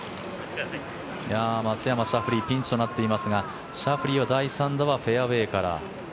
松山、シャフリーはピンチとなっていますがシャフリーは第３打はフェアウェーから。